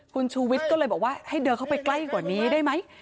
คุณชูวิทย์ก็เลยบอกว่าให้เดินเข้าไปใกล้กว่านี้ได้ไหม